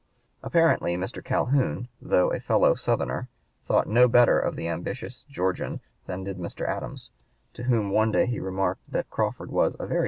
Apparently Mr. Calhoun, though a fellow Southerner, thought no better of the ambitious Georgian than did Mr. Adams, to whom one day he remarked that Crawford was "a very (p.